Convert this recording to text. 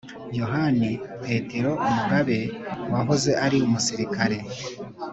yohani petero mugabe, wahoze ari umusirikare